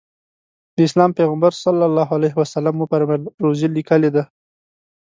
د اسلام پیغمبر ص وفرمایل روزي لیکلې ده.